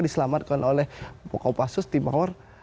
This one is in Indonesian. diselamatkan oleh kopassus timawar